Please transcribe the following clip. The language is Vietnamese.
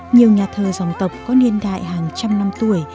nhiều nhà thờ dòng tộc có niên đại hàng trăm năm tuổi